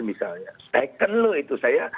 misalnya tekan lo itu saya